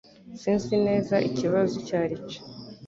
Sinzi neza ikibazo icyo ari cyo